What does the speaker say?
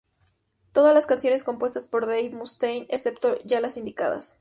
Todas las canciones compuestas por Dave Mustaine, excepto ya las indicadas.